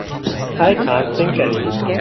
I can't think any more.